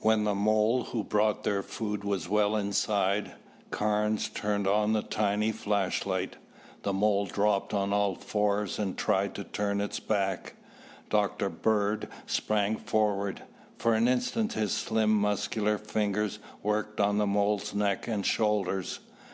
When the mole who brought their food was well inside, Carnes turned on the tiny flashlight. The mole dropped on all fours and tried to turn its back. Dr. Bird sprang forward. For an instant his slim muscular fingers worked on the mole's neck and shoulders.